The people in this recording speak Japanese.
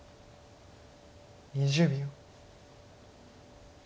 ２０秒。